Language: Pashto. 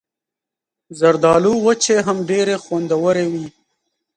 زردالو وچې هم ډېرې خوندورې وي.